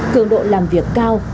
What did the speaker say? cường độ làm việc cao